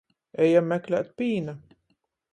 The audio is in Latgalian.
Ejam meklēt pīna.